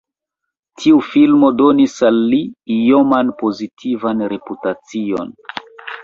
Tiu filmo donis al li ioman pozitivan reputacion.